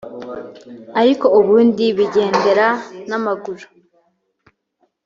ariko ubundi bigendera n’amaguru